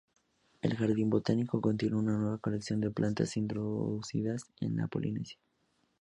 El jardín botánico contiene una buena colección de plantas introducidas de la Polinesia.